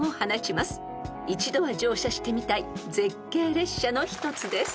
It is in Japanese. ［一度は乗車してみたい絶景列車の一つです］